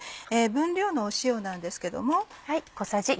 分量の塩なんですけども。